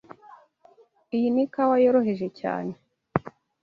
Iyi ni ikawa yoroheje cyane.